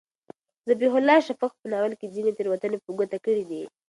ذبیح الله شفق په ناول کې ځینې تېروتنې په ګوته کړي دي.